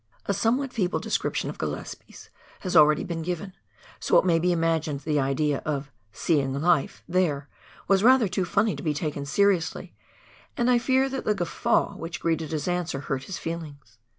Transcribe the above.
A somewhat feeble description of Gillespies has already been given, so it may be imagined the idea of " seeing life " there was rather too funny to be taken seriously ; and I fear that the guffaw which greeted his answer hurt his feelings.